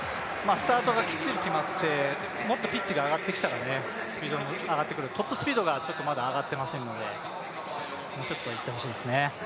スタートがきっちり決まって、もっとピッチが上がってきたらスピードも上がってくる、トップスピードがまだ上がっていませんのでもうちょっといってほしいですね。